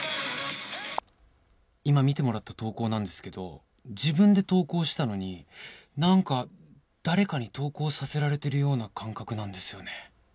今見てもらった投稿なんですけど自分で投稿したのになんか誰かに投稿させられてるような感覚なんですよね。